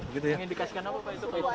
yang dikasihkan apa pak